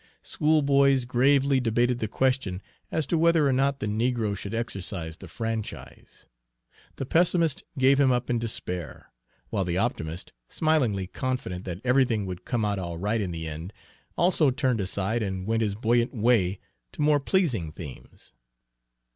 Schoolboys gravely debated the question as to whether or not the negro should exercise the franchise. The pessimist gave him up in despair; while the optimist, smilingly confident that everything would come out all right in the end, also turned aside and went his buoyant way to more pleasing themes.